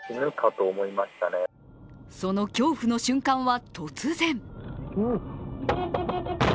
その恐怖の瞬間は突然。